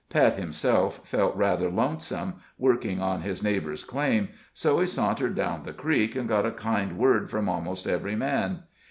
Pet himself felt rather lonesome working on his neighbor's claim, so he sauntered down the creek, and got a kind word from almost every man.